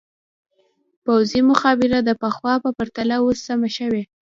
پوځي مخابره د پخوا په پرتله اوس سمه شوې.